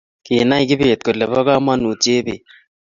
kinay Kibet kole bo kamanuut Chebet